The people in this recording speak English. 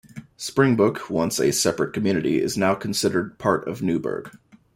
Springbook, once a separate community, is now considered part of Newberg.